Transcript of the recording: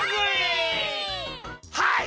はい！